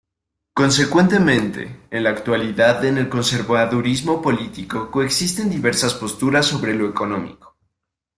Consecuentemente, en la actualidad en el conservadurismo político coexisten diversas posturas sobre lo económico.